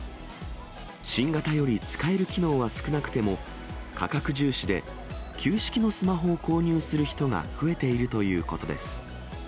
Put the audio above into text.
新型より使える機能は少なくても、価格重視で旧式のスマホを購入する人が増えているということです。